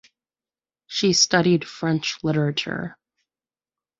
She studied French literature.